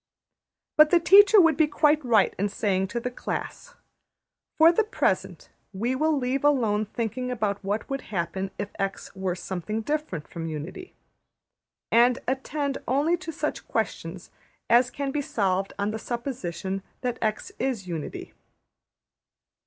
But the teacher would be quite right in saying to the class, ``For the present we will leave alone thinking about what would happen if $x$ were something different from unity, and attend only to such questions as can be solved on the supposition that $x$ is unity.''